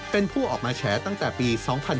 เป็นผู้ออกมาแฉตั้งแต่ปี๒๕๕๙